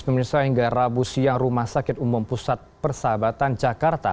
pemirsa hingga rabu siang rumah sakit umum pusat persahabatan jakarta